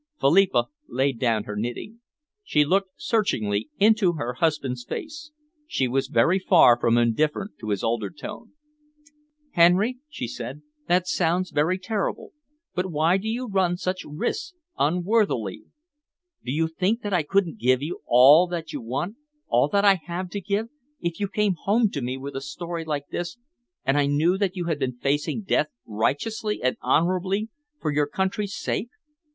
Philippa laid down her knitting. She looked searchingly into her husband's face. She was very far from indifferent to his altered tone. "Henry," she said, "that sounds very terrible, but why do you run such risks unworthily? Do you think that I couldn't give you all that you want, all that I have to give, if you came home to me with a story like this and I knew that you had been facing death righteously and honourably for your country's sake?